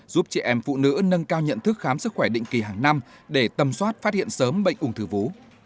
giúp chị em phụ nữ nâng cao nhận thức khám sức khỏe định kỳ hàng năm để tầm soát phát hiện sớm bệnh ung thư vú